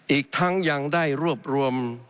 อีกทั้งยังได้รวบรวม